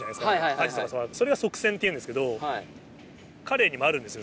アジとかそれが側線っていうんですけどカレイにもあるんですよ